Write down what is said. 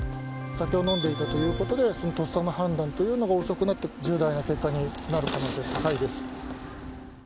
お酒を飲んでいたということでとっさの判断が遅くなって重大な結果になる可能性が高いです。